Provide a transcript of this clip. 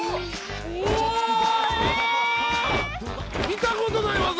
見たことない技！